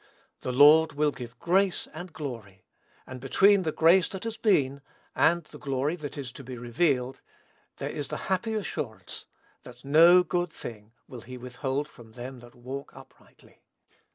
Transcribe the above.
"The Lord will give grace and glory;" and between the grace that has been, and the glory that is to be, revealed, there is the happy assurance, that "no good thing will he withhold from them that walk uprightly."